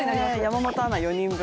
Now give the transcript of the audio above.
山本アナ４人分。